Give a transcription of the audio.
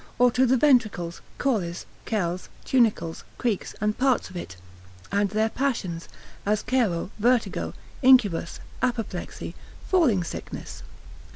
or to the ventricles, caules, kells, tunicles, creeks, and parts of it, and their passions, as caro, vertigo, incubus, apoplexy, falling sickness.